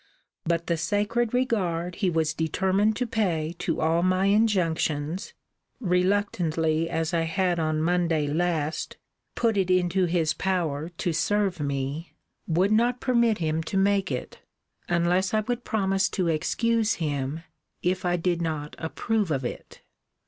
But the sacred regard he was determined to pay to all my injunctions (reluctantly as I had on Monday last put it into his power to serve me) would not permit him to make it, unless I would promise to excuse him, if I did not approve of it.